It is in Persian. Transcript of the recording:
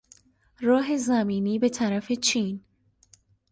راه زمینی به طرف چین